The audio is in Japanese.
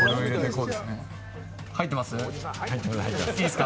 入ってます？